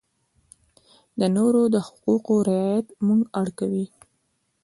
د نورو د حقوقو رعایت موږ اړ کوي.